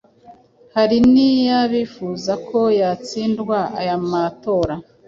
hari n'abifuza ko yatsindwa aya matora.